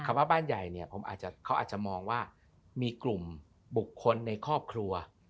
ว่าบ้านใหญ่เนี่ยผมอาจจะเขาอาจจะมองว่ามีกลุ่มบุคคลในครอบครัว